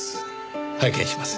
拝見します。